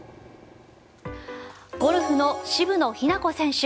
ゴルフの渋野日向子選手。